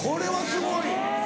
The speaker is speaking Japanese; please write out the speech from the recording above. すごい。